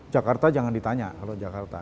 jakarta jangan ditanya kalau jakarta